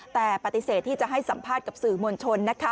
แต่ปฏิเสธที่จะให้สัมภาษณ์กับสื่อมวลชน